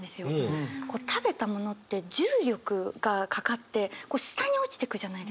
食べたものって重力がかかって下に落ちてくじゃないですか。